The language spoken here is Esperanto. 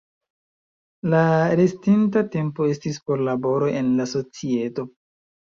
La restinta tempo estis por laboro en la societo.